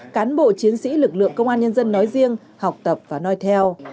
cán bộ chiến sĩ lực lượng công an nhân dân nói riêng học tập và nói theo